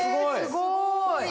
すごい！